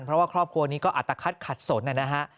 เพราะว่าครอบครัวนี้ก็อัตภัทขัดสนนะฮะ